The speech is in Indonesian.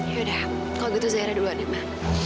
yaudah kalau gitu sejarah duluan ya ma